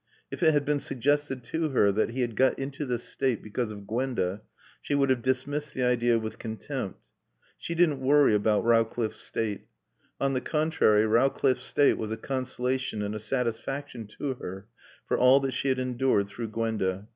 If it had been suggested to her that he had got into this state because of Gwenda she would have dismissed the idea with contempt. She didn't worry about Rowcliffe's state. On the contrary, Rowcliffe's state was a consolation and a satisfaction to her for all that she had endured through Gwenda.